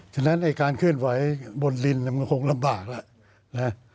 ฉะนั้นการขึ้นไว้บนรินมันคงลำบากแล้ว